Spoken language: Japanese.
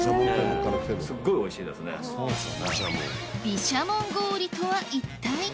ビシャモンゴーリとは一体？